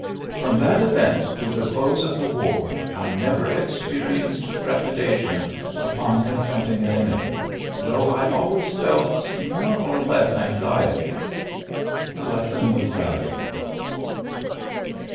... From that event to the close of the war I never ex perienced trepidation upon confronting an enemy, though I always felt more or less anxiety. ... The lesson was valu able."